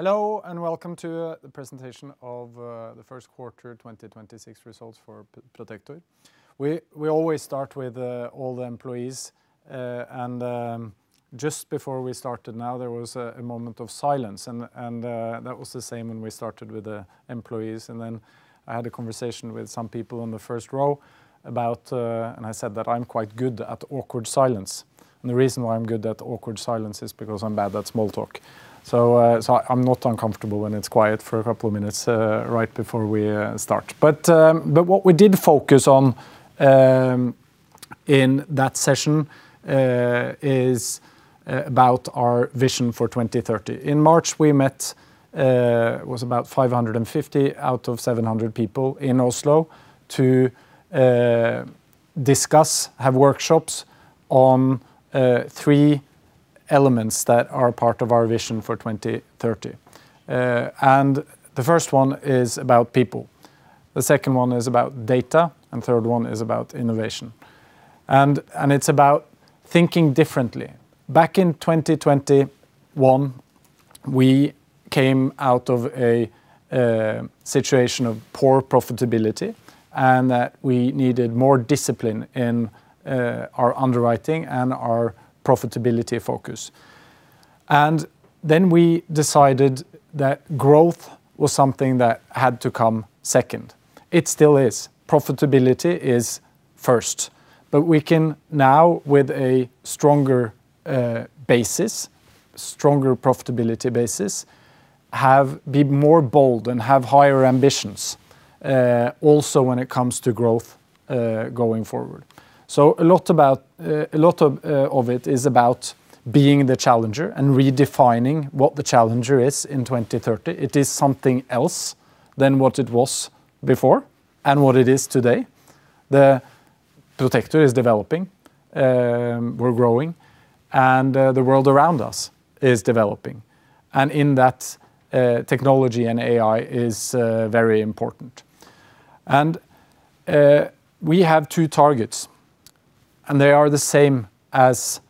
Hello, welcome to the presentation of the first quarter 2026 results for Protector. We always start with all the employees, and just before we started now, there was a moment of silence, and that was the same when we started with the employees. Then I had a conversation with some people on the first row, and I said that I'm quite good at awkward silence. The reason why I'm good at awkward silence is because I'm bad at small talk. I'm not uncomfortable when it's quiet for a couple of minutes right before we start. What we did focus on in that session is about our vision for 2030. In March, we met. It was about 550 out of 700 people in Oslo to discuss, have workshops on three elements that are part of our vision for 2030. The first one is about people, the second one is about data, and third one is about innovation. It's about thinking differently. Back in 2021, we came out of a situation of poor profitability and that we needed more discipline in our underwriting and our profitability focus. We decided that growth was something that had to come second. It still is. Profitability is first, but we can now with a stronger profitability basis, be more bold and have higher ambitions, also when it comes to growth going forward. A lot of it is about being the challenger and redefining what the challenger is in 2030. It is something else than what it was before and what it is today. The Protector is developing, we're growing, and the world around us is developing. In that technology and AI is very important. We have two targets, and they are the same as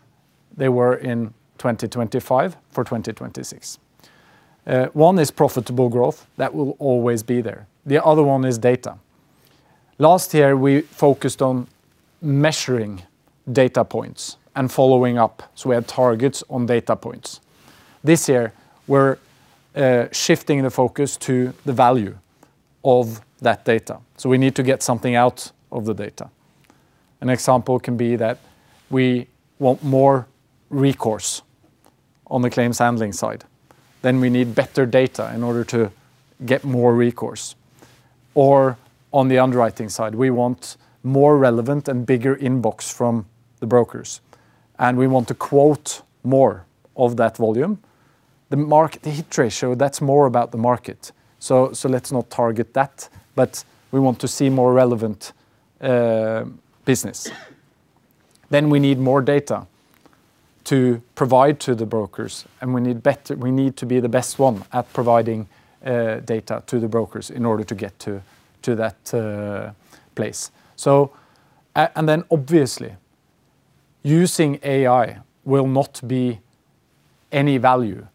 they were in 2025 for 2026. One is profitable growth, that will always be there. The other one is data. Last year, we focused on measuring data points and following up. We had targets on data points. This year, we're shifting the focus to the value of that data. We need to get something out of the data. An example can be that we want more recourse on the claims handling side. We need better data in order to get more recourse. Or on the underwriting side, we want more relevant and bigger inbox from the brokers, and we want to quote more of that volume. The hit ratio, that's more about the market, so let's not target that, but we want to see more relevant business. We need more data to provide to the brokers, and we need to be the best one at providing data to the brokers in order to get to that place. Obviously, using AI will not be any value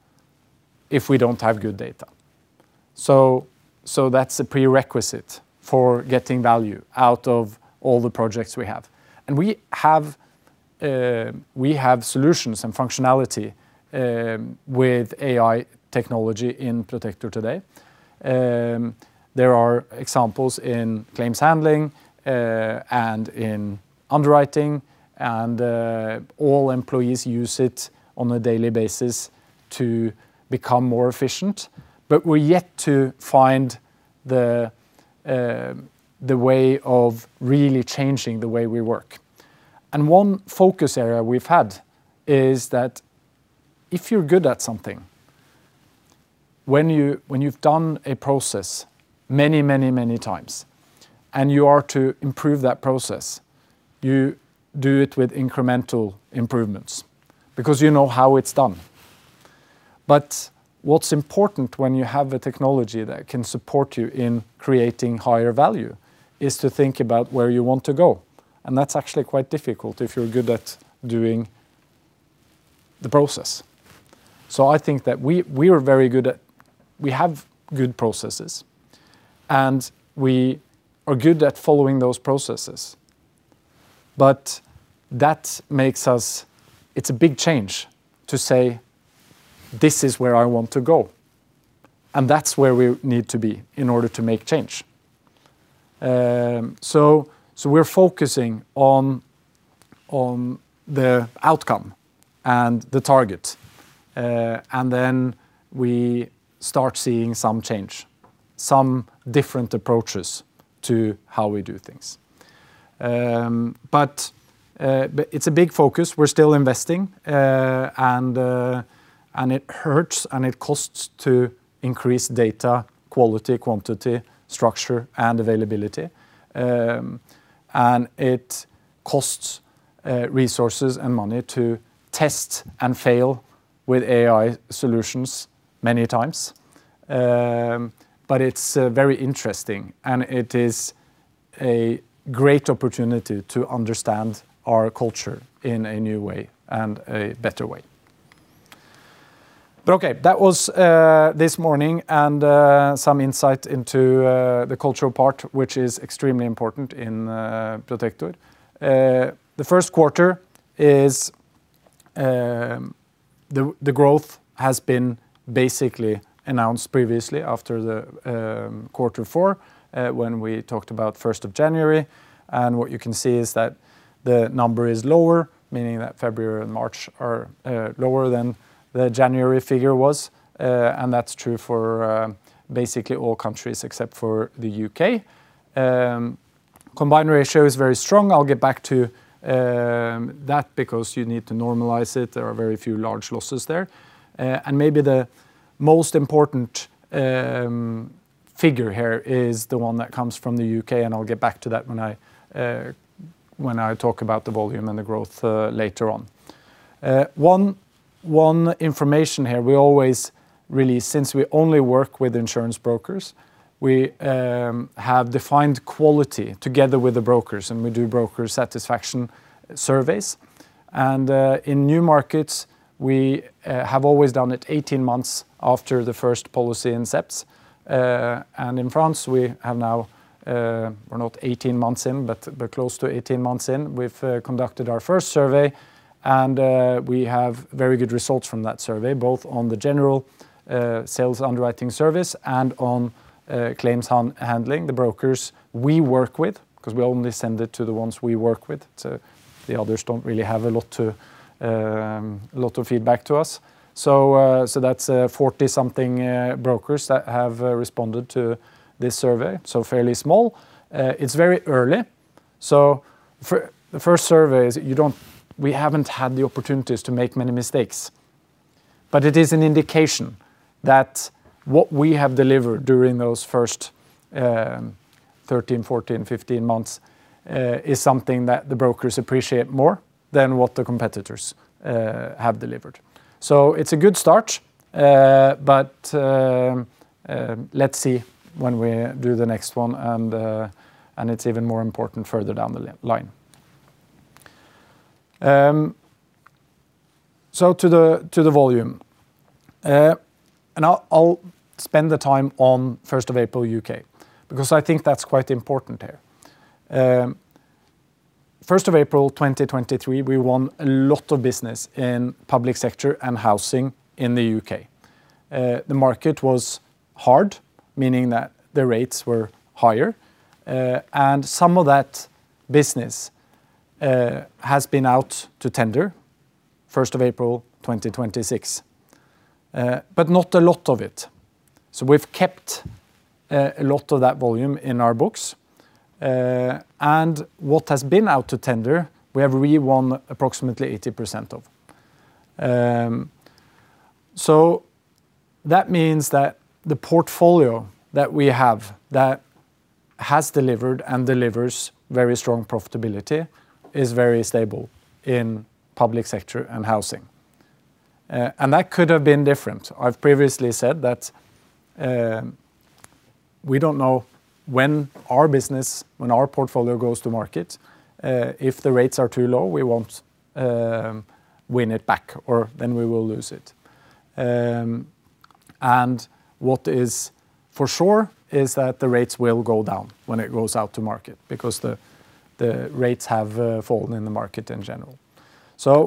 if we don't have good data. That's a prerequisite for getting value out of all the projects we have. We have solutions and functionality with AI technology in Protector today. There are examples in claims handling, and in underwriting, and all employees use it on a daily basis to become more efficient. We're yet to find the way of really changing the way we work. One focus area we've had is that if you're good at something, when you've done a process many times, and you are to improve that process, you do it with incremental improvements because you know how it's done. What's important when you have a technology that can support you in creating higher value is to think about where you want to go. That's actually quite difficult if you're good at doing the process. I think that we have good processes, and we are good at following those processes. It's a big change to say, "This is where I want to go," and that's where we need to be in order to make change. We're focusing on the outcome and the target, and then we start seeing some change, some different approaches to how we do things. It's a big focus. We're still investing, and it hurts and it costs to increase data quality, quantity, structure, and availability. It costs resources and money to test and fail with AI solutions many times. It's very interesting and it is a great opportunity to understand our culture in a new way and a better way. Okay, that was this morning and some insight into the cultural part, which is extremely important in Protector. The first quarter, the growth has been basically announced previously after the quarter four, when we talked about 1st of January, and what you can see is that the number is lower, meaning that February and March are lower than the January figure was. That's true for basically all countries except for the U.K. Combined ratio is very strong. I'll get back to that because you need to normalize it. There are very few large losses there. Maybe the most important figure here is the one that comes from the U.K., and I'll get back to that when I talk about the volume and the growth later on. One piece of information here we always release, since we only work with insurance brokers. We have defined quality together with the brokers, and we do broker satisfaction surveys. In new markets, we have always done it 18 months after the first policy incepts. In France, we have now. We're not 18 months in, but we're close to 18 months in. We've conducted our first survey and we have very good results from that survey, both on the general sales underwriting service and on claims handling, the brokers we work with, because we only send it to the ones we work with. The others don't really have a lot of feedback to us. That's 40-something brokers that have responded to this survey, so fairly small. It's very early. For the first survey, we haven't had the opportunities to make many mistakes. It is an indication that what we have delivered during those first 13, 14, 15 months, is something that the brokers appreciate more than what the competitors have delivered. It's a good start, but let's see when we do the next one, and it's even more important further down the line. To the volume. I'll spend the time on 1st of April, U.K., because I think that's quite important here. 1st of April 2023, we won a lot of business in public sector and housing in the U.K. The market was hard, meaning that the rates were higher, and some of that business has been out to tender 1st of April 2026, but not a lot of it. We've kept a lot of that volume in our books. What has been out to tender, we have re-won approximately 80% of. That means that the portfolio that we have that has delivered and delivers very strong profitability is very stable in public sector and housing. That could have been different. I've previously said that we don't know when our portfolio goes to market, if the rates are too low, we won't win it back, or then we will lose it. What is for sure is that the rates will go down when it goes out to market because the rates have fallen in the market in general.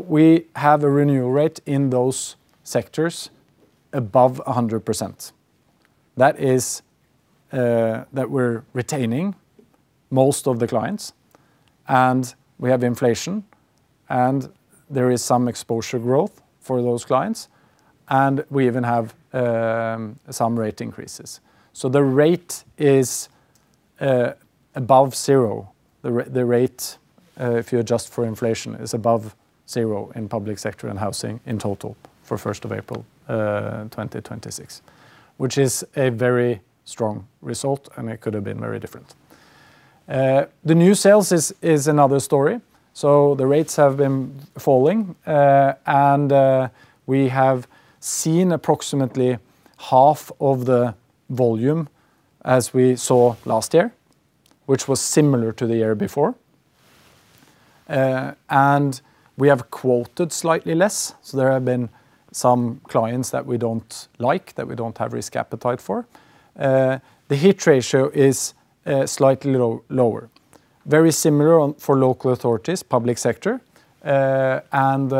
We have a renewal rate in those sectors above 100%. That is, we're retaining most of the clients, and we have inflation, and there is some exposure growth for those clients. We even have some rate increases. The rate is above zero. The rate, if you adjust for inflation, is above zero in public sector and housing in total for 1st of April 2026, which is a very strong result, and it could have been very different. The new sales is another story. The rates have been falling, and we have seen approximately half of the volume as we saw last year, which was similar to the year before. We have quoted slightly less, so there have been some clients that we don't like, that we don't have risk appetite for. The hit ratio is slightly lower. Very similar for local authorities, public sector, and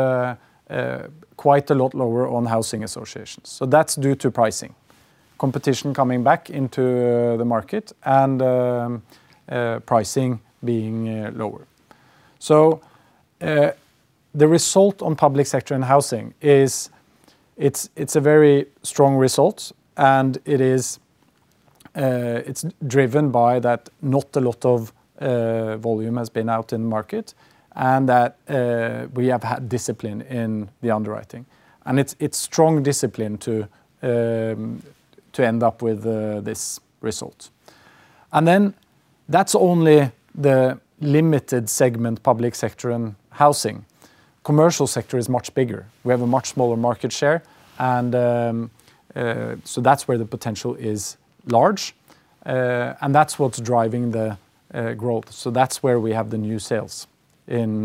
quite a lot lower on housing associations. That's due to pricing, competition coming back into the market and pricing being lower. The result on Public Sector and Housing, it's a very strong result, and it's driven by that not a lot of volume has been out in the market and that we have had discipline in the underwriting, and it's strong discipline to end up with this result. That's only the limited segment, Public Sector and Housing. Commercial Sector is much bigger. We have a much smaller market share, and so that's where the potential is large, and that's what's driving the growth. That's where we have the new sales in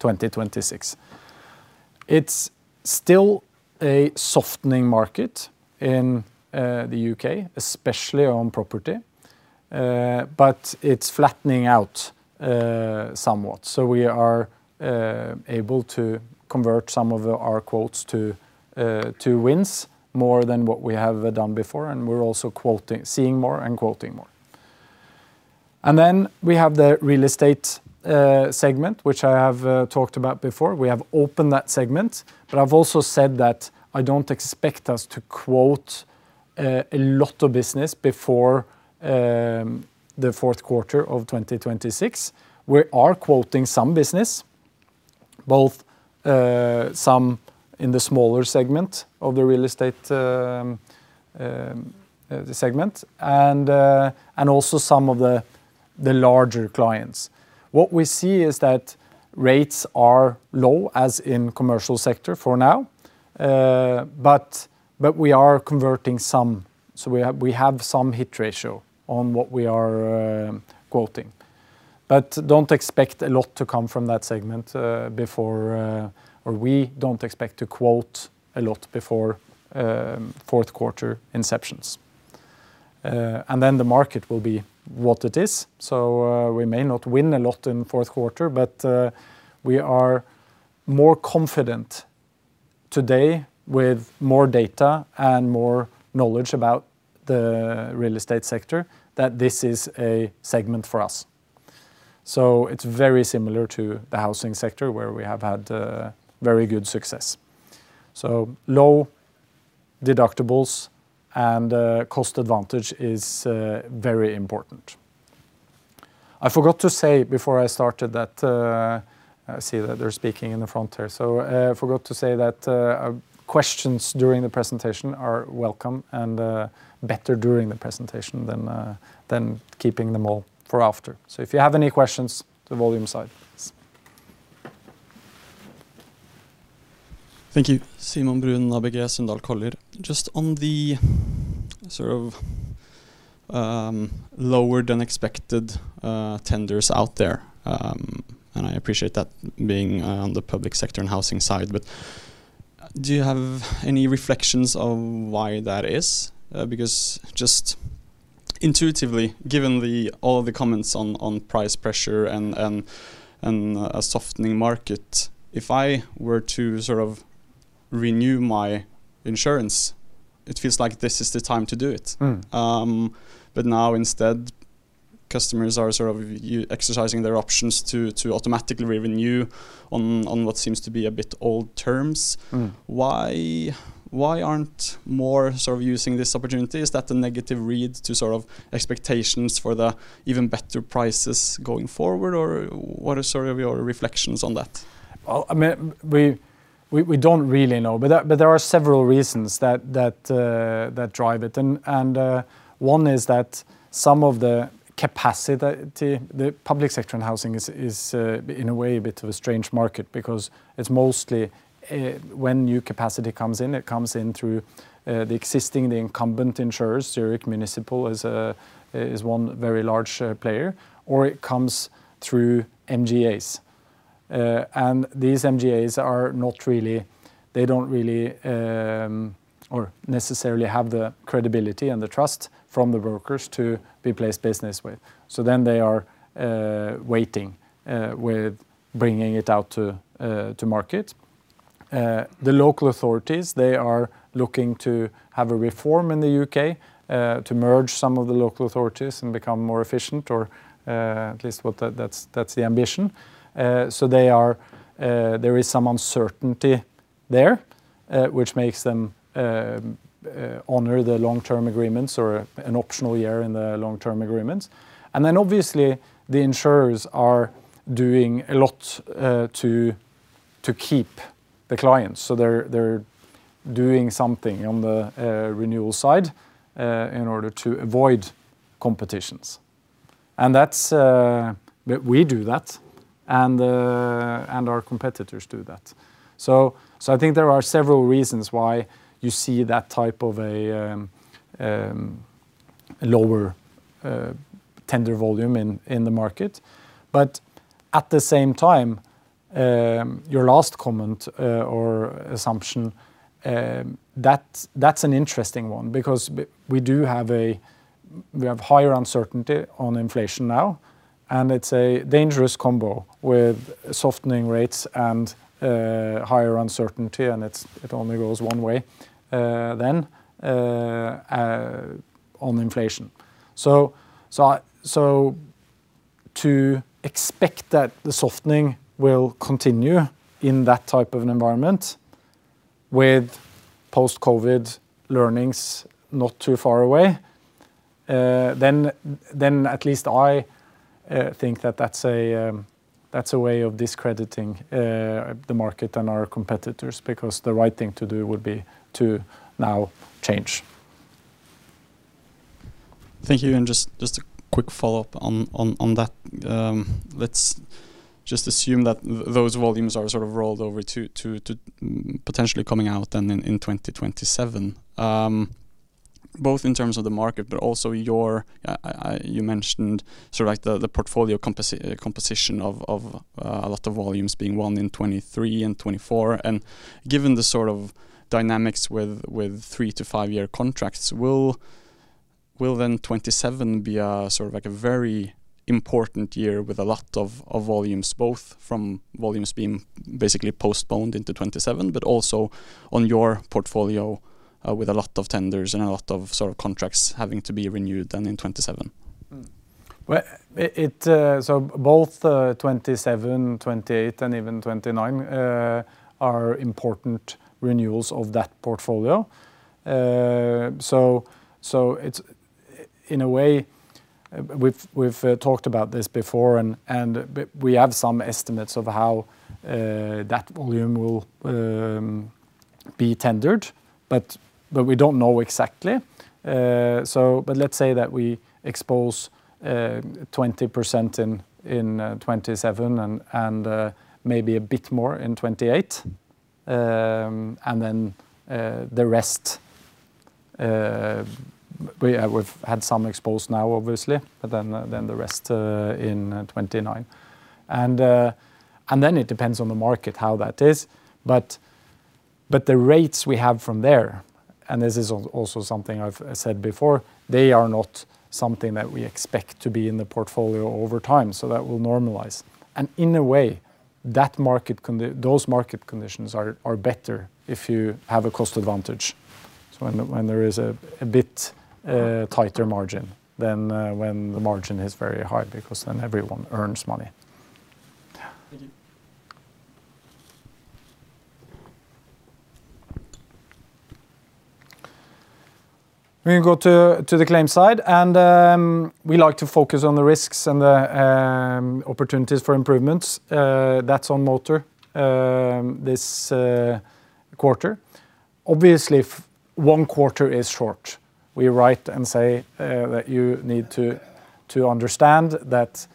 2026. It's still a softening market in the U.K., especially on property, but it's flattening out somewhat. We are able to convert some of our quotes to wins more than what we have done before, and we're also seeing more and quoting more. We have the real estate segment, which I have talked about before. We have opened that segment, but I've also said that I don't expect us to quote a lot of business before the fourth quarter of 2026. We are quoting some business, both some in the smaller segment of the real estate segment and also some of the larger clients. What we see is that rates are low, as in commercial sector for now, but we are converting some, so we have some hit ratio on what we are quoting. Don't expect a lot to come from that segment, or we don't expect to quote a lot before fourth quarter inceptions. The market will be what it is. We may not win a lot in the fourth quarter, but we are more confident today with more data and more knowledge about the real estate sector that this is a segment for us. It's very similar to the housing sector, where we have had very good success. Low deductibles and cost advantage is very important. I forgot to say before I started that I see that they're speaking in the front here. I forgot to say that questions during the presentation are welcome and better during the presentation than keeping them all for after. If you have any questions, the volume side, please. Thank you. Simon Skåland Brun, ABG Sundal Collier. Just on the sort of lower than expected tenders out there, and I appreciate that being on the public sector and housing side, but do you have any reflections on why that is? Because just intuitively, given all of the comments on price pressure and a softening market, if I were to sort of renew my insurance, it feels like this is the time to do it. Mm. Now instead, customers are sort of exercising their options to automatically renew on what seems to be a bit old terms. Mm. Why aren't more sort of using this opportunity? Is that a negative read to sort of expectations for the even better prices going forward? Or what are sort of your reflections on that? We don't really know, but there are several reasons that drive it, and one is that some of the capacity, the public sector and housing is in a way a bit of a strange market because it's mostly when new capacity comes in, it comes in through the existing, the incumbent insurers. Zurich Municipal is one very large player, or it comes through MGAs. These MGAs are not really, they don't really or necessarily have the credibility and the trust from the brokers to be placed business with. They are waiting with bringing it out to market. The local authorities, they are looking to have a reform in the U.K. to merge some of the local authorities and become more efficient or at least that's the ambition. There is some uncertainty there, which makes them honor the long-term agreements or an optional year in the long-term agreements. Then obviously the insurers are doing a lot to keep the clients, so they're doing something on the renewal side in order to avoid competition. We do that, and our competitors do that. I think there are several reasons why you see that type of a lower tender volume in the market. At the same time, your last comment or assumption, that's an interesting one because we have higher uncertainty on inflation now, and it's a dangerous combo with softening rates and higher uncertainty, and it only goes one way then on inflation. To expect that the softening will continue in that type of an environment with post-COVID learnings not too far away, then at least I think that that's a way of discrediting the market and our competitors, because the right thing to do would be to now change. Thank you. Just a quick follow-up on that. Let's just assume that those volumes are sort of rolled over to potentially coming out then in 2027, both in terms of the market, but also you mentioned the portfolio composition of a lot of volumes being won in 2023 and 2024. Given the sort of dynamics with three- to five-year contracts, will then 2027 be a sort of very important year with a lot of volumes, both from volumes being basically postponed into 2027, but also on your portfolio with a lot of tenders and a lot of sort of contracts having to be renewed then in 2027? Well, both 2027, 2028, and even 2029 are important renewals of that portfolio. In a way, we've talked about this before and we have some estimates of how that volume will be tendered, but we don't know exactly. Let's say that we expose 20% in 2027 and maybe a bit more in 2028. Then the rest, we've had some exposed now, obviously, but then the rest in 2029. Then it depends on the market, how that is. The rates we have from there, and this is also something I've said before, they are not something that we expect to be in the portfolio over time. That will normalize. In a way, those market conditions are better if you have a cost advantage. When there is a bit tighter margin than when the margin is very high, because then everyone earns money. Thank you. We can go to the claims side, and we like to focus on the risks and the opportunities for improvements. That's on motor this quarter. Obviously, one quarter is short. We write and say that you need to understand that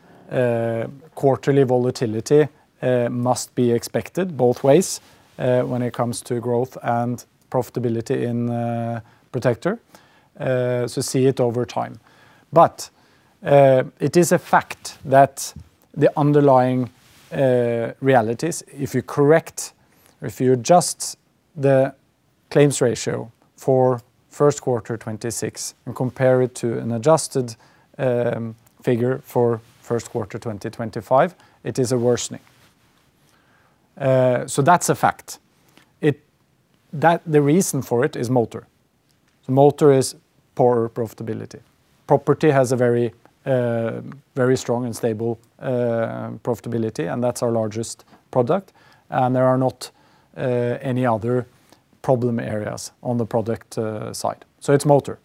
quarterly volatility must be expected both ways when it comes to growth and profitability in Protector, so see it over time. It is a fact that the underlying realities, if you correct or if you adjust the claims ratio for first quarter 2026 and compare it to an adjusted figure for first quarter 2025, it is a worsening. That's a fact. The reason for it is motor. Motor is poor profitability. Property has a very strong and stable profitability, and that's our largest product. There are not any other problem areas on the product side. It's motor.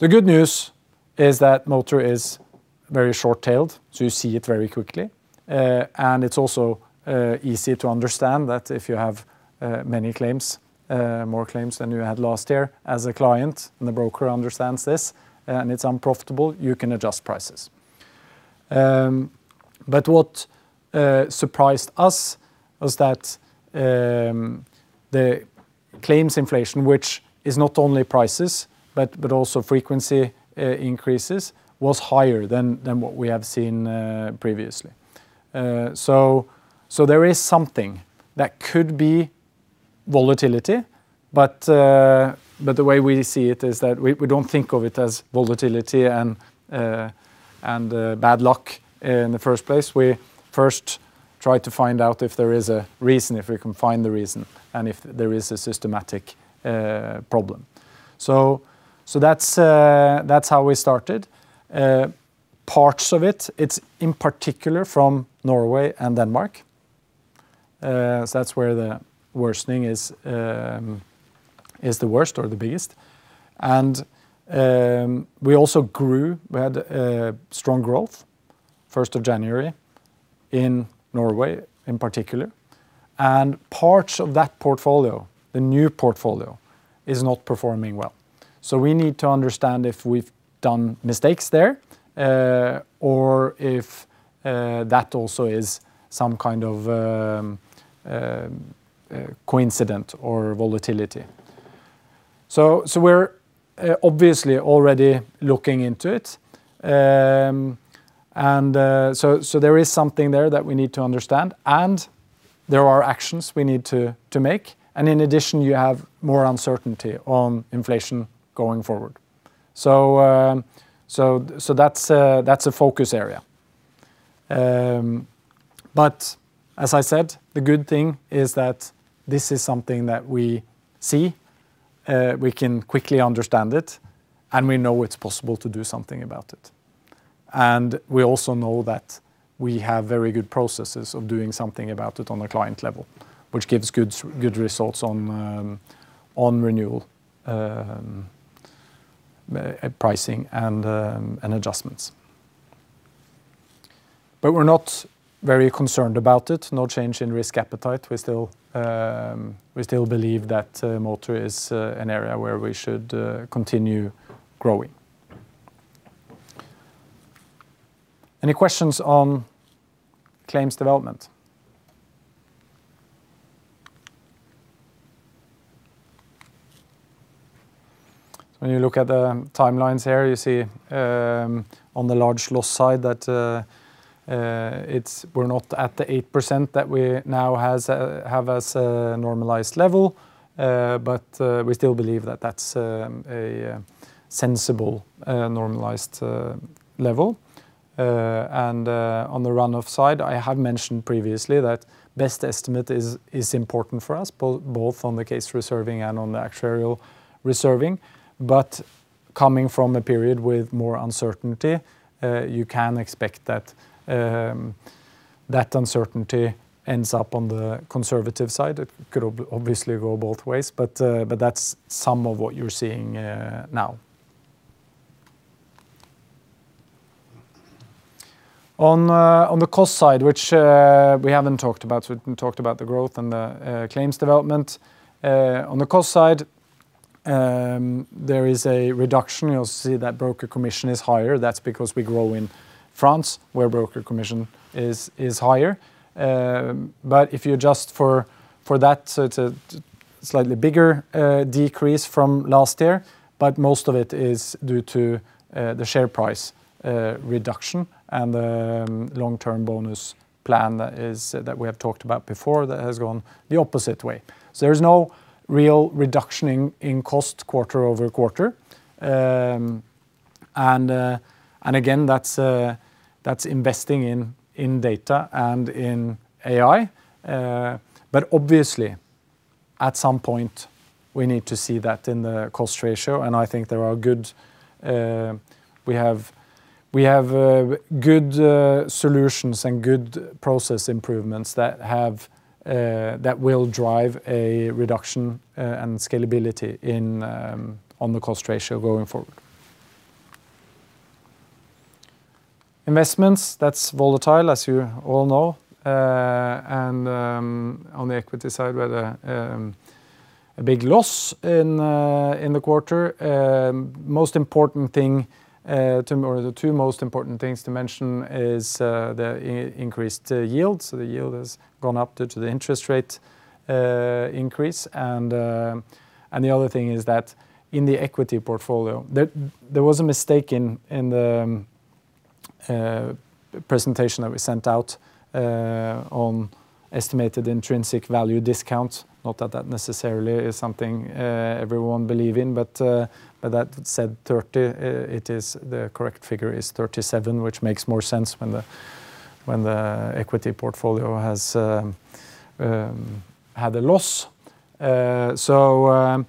The good news is that motor is very short-tailed, so you see it very quickly. It's also easy to understand that if you have many claims, more claims than you had last year as a client, and the broker understands this, and it's unprofitable, you can adjust prices. What surprised us was that the claims inflation, which is not only prices, but also frequency increases, was higher than what we have seen previously. There is something that could be volatility, but the way we see it is that we don't think of it as volatility and bad luck in the first place. We first try to find out if there is a reason, if we can find the reason, and if there is a systematic problem. That's how we started. Parts of it's in particular from Norway and Denmark, as that's where the worsening is the worst or the biggest. We also grew. We had strong growth first of January in Norway in particular, and parts of that portfolio, the new portfolio is not performing well. We need to understand if we've done mistakes there, or if that also is some kind of coincidence or volatility. We're obviously already looking into it. There is something there that we need to understand, and there are actions we need to take. In addition, you have more uncertainty on inflation going forward. That's a focus area. As I said, the good thing is that this is something that we see, we can quickly understand it, and we know it's possible to do something about it. We also know that we have very good processes of doing something about it on a client level, which gives good results on renewal, pricing and adjustments. We're not very concerned about it, no change in risk appetite. We still believe that motor is an area where we should continue growing. Any questions on claims development? When you look at the timelines here, you see on the large loss side that we're not at the 8% that we now have as a normalized level, but we still believe that that's a sensible normalized level. On the run-off side, I have mentioned previously that best estimate is important for us, both on the case reserving and on the actuarial reserving. Coming from a period with more uncertainty, you can expect that uncertainty ends up on the conservative side. It could obviously go both ways, but that's some of what you're seeing now. On the cost side, which we haven't talked about, we talked about the growth and the claims development. On the cost side, there is a reduction. You'll see that broker commission is higher. That's because we grow in France, where broker commission is higher. But if you adjust for that, it's a slightly bigger decrease from last year, but most of it is due to the share price reduction and the long-term bonus plan that we have talked about before that has gone the opposite way. So there is no real reduction in cost quarter-over-quarter. Again, that's investing in data and in AI. Obviously, at some point, we need to see that in the cost ratio, and I think we have good solutions and good process improvements that will drive a reduction and scalability on the cost ratio going forward. Investments, that's volatile, as you all know. On the equity side, we had a big loss in the quarter. The two most important things to mention is the increased yields. The yield has gone up due to the interest rate increase and the other thing is that in the equity portfolio, there was a mistake in the presentation that we sent out on estimated intrinsic value discount. Not that that necessarily is something everyone believe in, but that said 30, the correct figure is 37, which makes more sense when the equity portfolio had a loss. The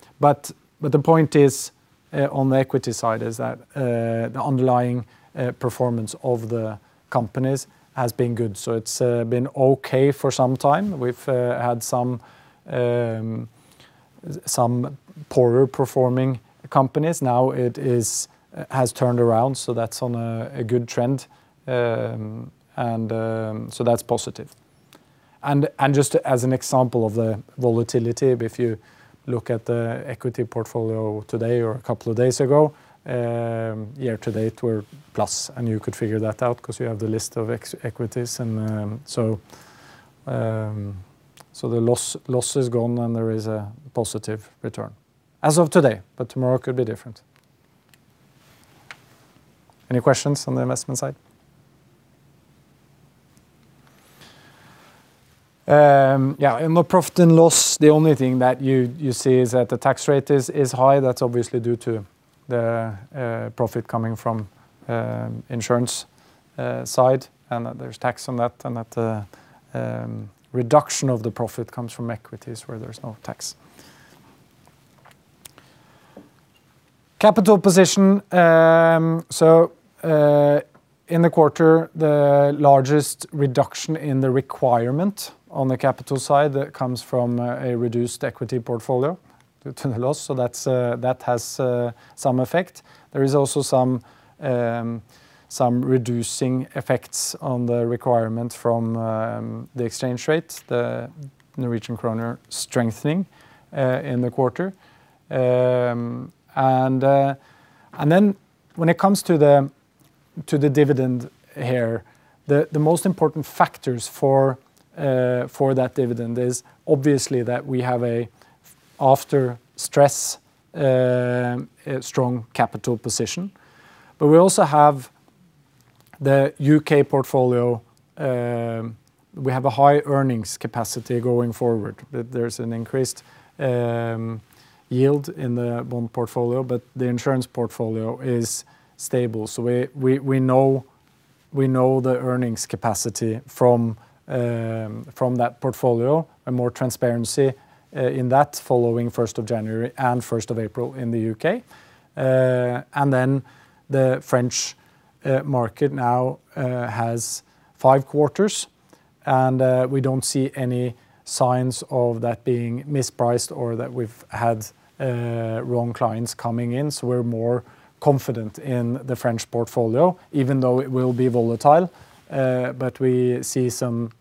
point on the equity side is that the underlying performance of the companies has been good. It's been okay for some time. We've had some poorer performing companies. Now it has turned around, so that's on a good trend, and so that's positive. Just as an example of the volatility, if you look at the equity portfolio today or a couple of days ago, year to date we're plus, and you could figure that out because we have the list of equities. The loss is gone and there is a positive return as of today, but tomorrow could be different. Any questions on the investment side? Yeah. In the profit and loss, the only thing that you see is that the tax rate is high. That's obviously due to the profit coming from insurance side, and there's tax on that, and that the reduction of the profit comes from equities where there's no tax. Capital position. In the quarter, the largest reduction in the requirement on the capital side comes from a reduced equity portfolio due to the loss, so that has some effect. There is also some reducing effects on the requirement from the exchange rate, the Norwegian Krone strengthening in the quarter. When it comes to the dividend here, the most important factors for that dividend is obviously that we have a after-stress strong capital position, but we also have the U.K. portfolio. We have a high earnings capacity going forward. There's an increased yield in the bond portfolio, but the insurance portfolio is stable. We know the earnings capacity from that portfolio, and more transparency in that following 1st of January and 1st of April in the U.K. The French market now has five quarters. We don't see any signs of that being mispriced or that we've had wrong clients coming in, so we're more confident in the French portfolio, even though it will be volatile. We see some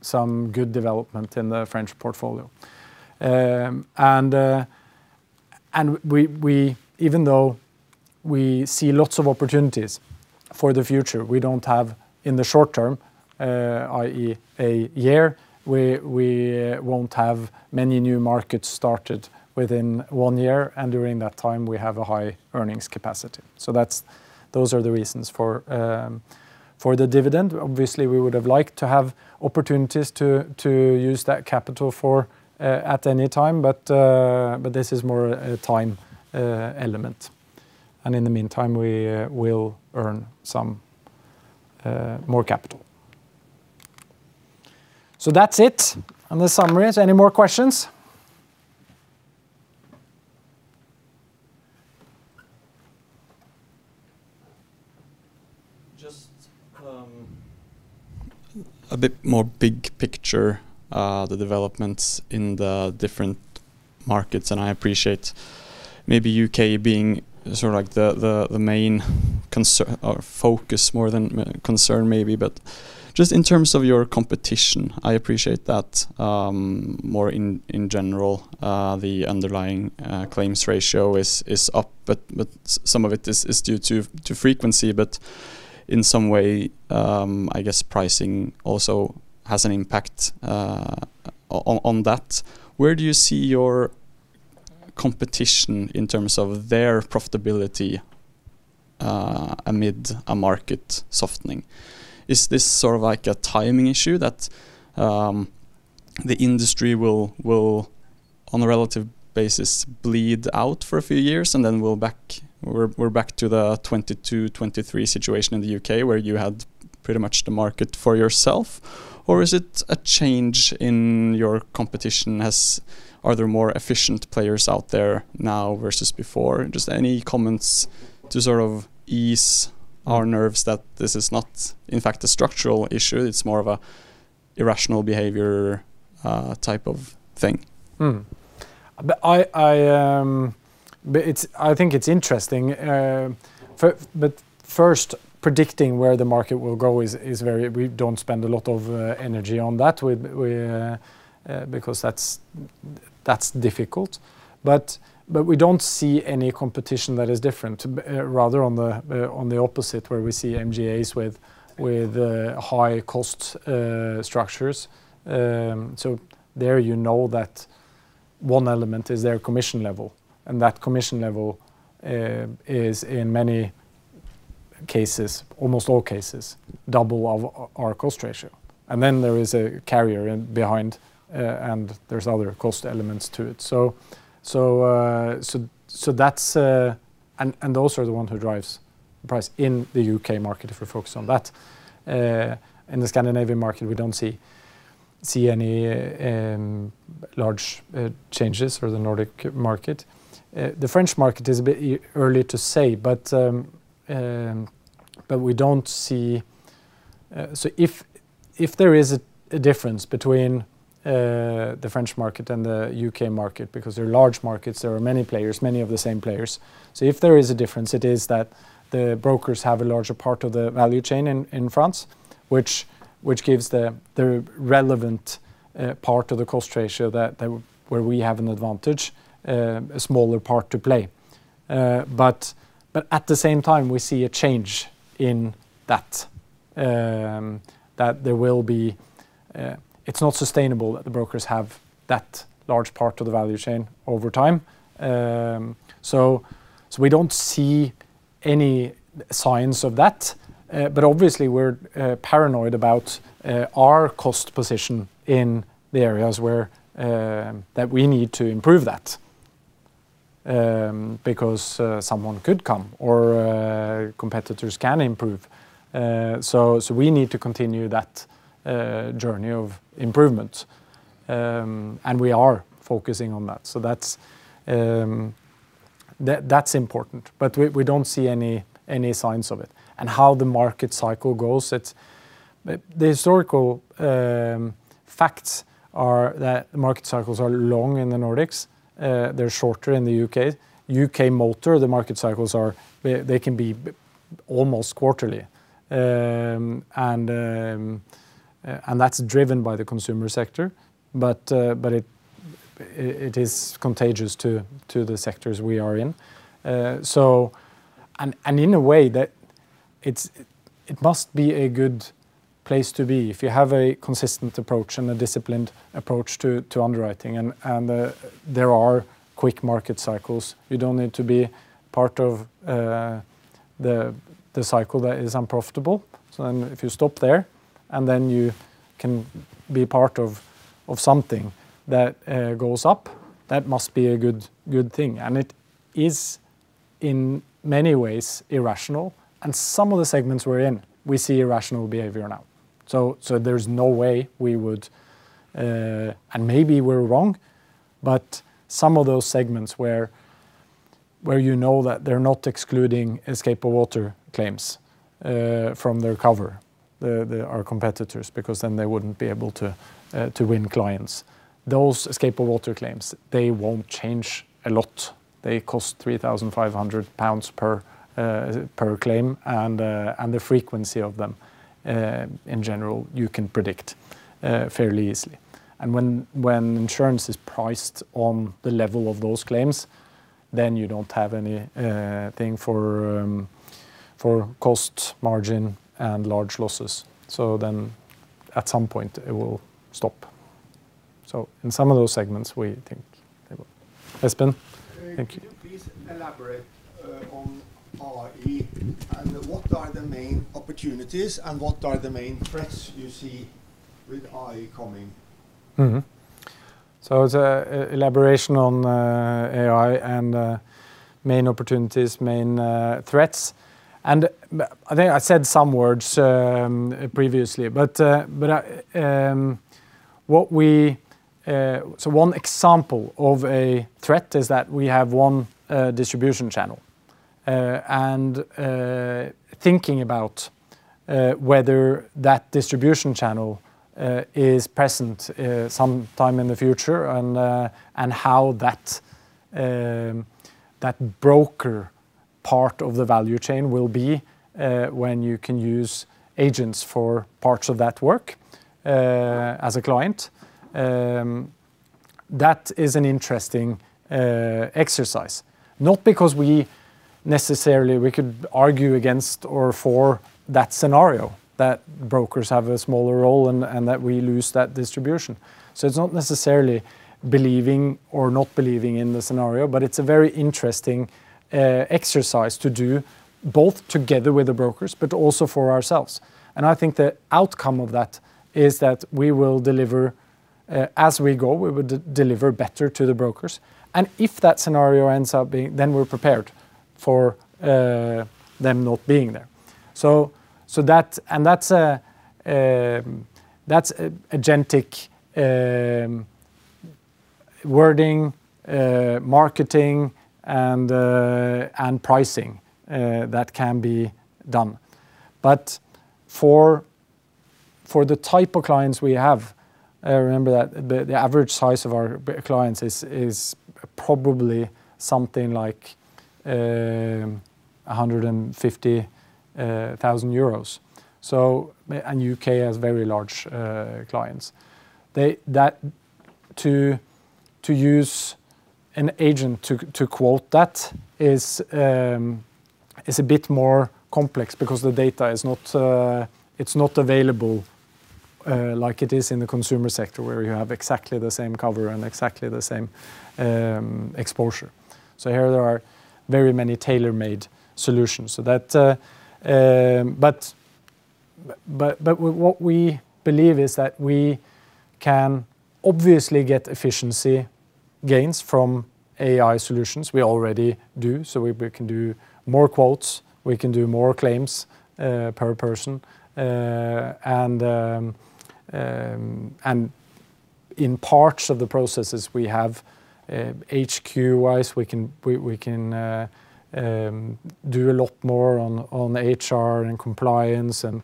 good development in the French portfolio. Even though we see lots of opportunities for the future, we don't have, in the short term, i.e., a year, we won't have many new markets started within one year, and during that time, we have a high earnings capacity. Those are the reasons for the dividend. Obviously, we would have liked to have opportunities to use that capital at any time, but this is more a time element, and in the meantime, we will earn some more capital. That's it on the summary. Any more questions? Just a bit more big picture, the developments in the different markets, and I appreciate maybe U.K. being the main concern or focus more than concern maybe, but just in terms of your competition, I appreciate that more in general, the underlying claims ratio is up, but some of it is due to frequency, but in some way, I guess pricing also has an impact on that. Where do you see your competition in terms of their profitability amid a market softening? Is this sort of like a timing issue that the industry will, on a relative basis, bleed out for a few years and then we're back to the 2022, 2023 situation in the U.K., where you had pretty much the market for yourself? Or is it a change in your competition? Are there more efficient players out there now versus before? Just any comments to sort of ease our nerves that this is not, in fact, a structural issue, it's more of a irrational behavior type of thing. I think it's interesting. First, predicting where the market will go. We don't spend a lot of energy on that because that's difficult. We don't see any competition that is different, rather on the opposite, where we see MGAs with high cost structures. There you know that one element is their commission level, and that commission level is, in many cases, almost all cases, double our cost ratio. Then there is a carrier behind, and there's other cost elements to it. Those are the ones who drives price in the U.K. market, if we focus on that. In the Scandinavian market, we don't see any large changes for the Nordic market. The French market is a bit early to say. If there is a difference between the French market and the U.K. market, because they're large markets, there are many players, many of the same players. If there is a difference, it is that the brokers have a larger part of the value chain in France, which gives the relevant part of the cost ratio where we have an advantage, a smaller part to play. At the same time, we see a change in that. It's not sustainable that the brokers have that large part of the value chain over time. We don't see any signs of that. Obviously we're paranoid about our cost position in the areas that we need to improve that, because someone could come or competitors can improve. We need to continue that journey of improvement, and we are focusing on that. That's important, but we don't see any signs of it. How the market cycle goes, the historical facts are that market cycles are long in the Nordics, they're shorter in the U.K. U.K. motor, the market cycles are, they can be almost quarterly, and that's driven by the consumer sector. It is contagious to the sectors we are in. In a way, it must be a good place to be if you have a consistent approach and a disciplined approach to underwriting and there are quick market cycles. You don't need to be part of the cycle that is unprofitable. If you stop there, and then you can be part of something that goes up, that must be a good thing. It is, in many ways, irrational, and some of the segments we're in, we see irrational behavior now. There's no way we would, and maybe we're wrong, but some of those segments where you know that they're not excluding escape of water claims from their cover, our competitors, because then they wouldn't be able to win clients. Those escape of water claims, they won't change a lot. They cost 3,500 pounds per claim and the frequency of them, in general, you can predict fairly easily. When insurance is priced on the level of those claims, then you don't have anything for cost margin and large losses. Then at some point it will stop. In some of those segments, we think it will. Espen? Thank you. Can you please elaborate on AI and what are the main opportunities and what are the main threats you see with AI coming? It's an elaboration on AI and main opportunities, main threats. I think I said some words previously, but one example of a threat is that we have one distribution channel, and thinking about whether that distribution channel is present some time in the future and how that broker part of the value chain will be when you can use agents for parts of that work as a client. That is an interesting exercise, not because we necessarily could argue against or for that scenario, that brokers have a smaller role and that we lose that distribution. It's not necessarily believing or not believing in the scenario, but it's a very interesting exercise to do, both together with the brokers, but also for ourselves. I think the outcome of that is that we will deliver as we go, we will deliver better to the brokers. If that scenario ends up being, then we're prepared for them not being there. That's agentic wording, marketing, and pricing that can be done. For the type of clients we have, remember that the average size of our clients is probably something like 150,000 euros. U.K. has very large clients. To use an agent to quote that is a bit more complex because the data it's not available like it is in the consumer sector where you have exactly the same cover and exactly the same exposure. Here there are very many tailor-made solutions. What we believe is that we can obviously get efficiency gains from AI solutions, we already do. We can do more quotes, we can do more claims per person. In parts of the processes we have, HQ-wise, we can do a lot more on HR and compliance and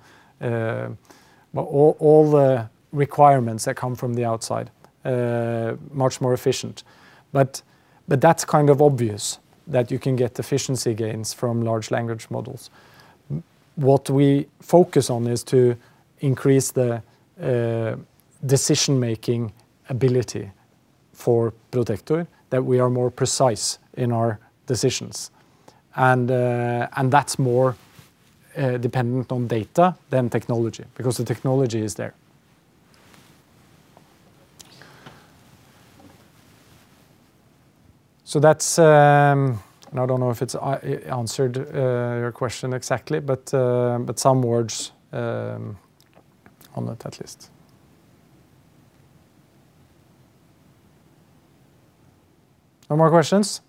all the requirements that come from the outside, much more efficient. That's kind of obvious that you can get efficiency gains from large language models. What we focus on is to increase the decision-making ability for Protector, that we are more precise in our decisions. That's more dependent on data than technology, because the technology is there. That's, and I don't know if it's answered your question exactly, but some words on that at least. No more questions? Thanks.